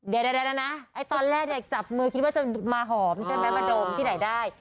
เดี๋ยวนะตอนแรกเนี่ยจับมือคิดว่าจะมาหอมใช่ไหมมาโดมที่ไหนได้